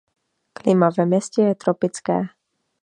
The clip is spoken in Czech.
Klima ve městě je tropické.